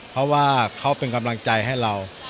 เพราะว่าเขาเป็นกำลังใจให้เรา